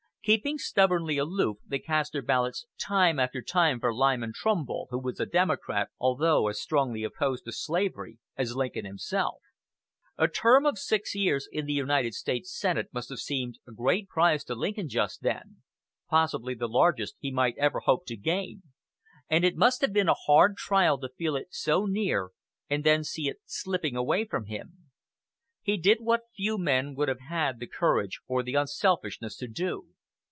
Keeping stubbornly aloof, they cast their ballots time after time for Lyman Trumbull, who was a Democrat, although as strongly opposed to slavery as Lincoln himself. A term of six years in the United States Senate must have seemed a large prize to Lincoln just then possibly the largest he might ever hope to gain; and it must have been a hard trial to feel it so near and then see it slipping away from him. He did what few men would have had the courage or the unselfishness to do.